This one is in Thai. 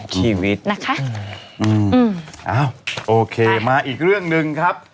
ชีวิตนะคะอืมอ้าวโอเคมาอีกเรื่องหนึ่งครับ